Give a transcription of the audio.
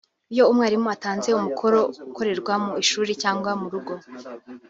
Iyo Umwarimu atanze umukoro ukorerwa mu ishuri cyangwa mu rugo